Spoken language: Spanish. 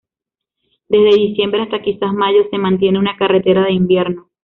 Desde diciembre hasta quizás mayo se mantiene una carretera de invierno.